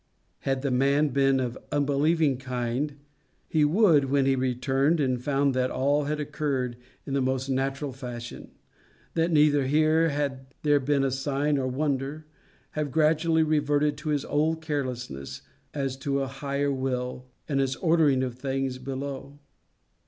Had the man been of unbelieving kind he would, when he returned and found that all had occurred in the most natural fashion, that neither here had there been sign or wonder, have gradually reverted to his old carelessness as to a higher will and its ordering of things below.